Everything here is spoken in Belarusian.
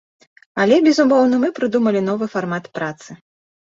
Але, безумоўна, мы прыдумалі новы фармат працы.